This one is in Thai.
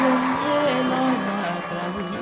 ร่างแพกยั่งแท้ล้อยมากัน